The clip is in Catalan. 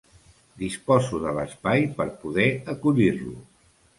Disposo de l'espai per poder acollir-lo.